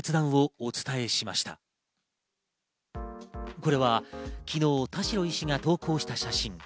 これは昨日、田代医師が投稿した写真。